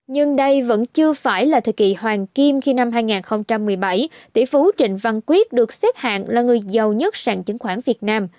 nhưng đây vẫn chưa phải là thời kỳ hoàng kim khi năm hai nghìn một mươi bảy tỷ phú trịnh văn quyết được xếp hạng là người giàu nhất sàn chứng khoán việt nam